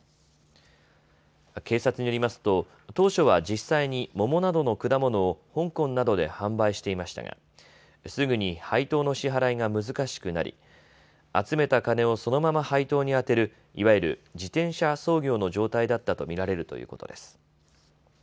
警察によりますと当初は実際に桃などの果物を香港などで販売していましたがすぐに配当の支払いが難しくなり集めた金をそのまま配当に充てるいわゆる、自転車操業の状態だったと見られるということです。